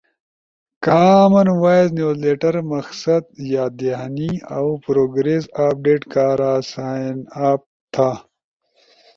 کامن وائس نیوز لیٹر، مقصد یاد دہانی اؤ پروگریس اپڈیٹ کارا سائن اپ تھا